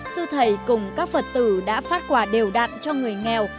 sư thầy cùng các phật tử đã phát quả đều đặn cho người nghèo